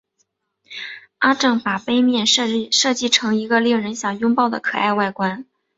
阿正把杯面设计成一个令人想拥抱的可爱外观。